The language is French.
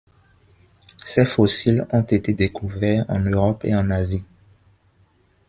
Ses fossiles ont été découverts en Europe et en Asie.